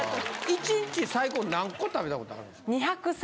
１日最高何個食べたことあるんですか？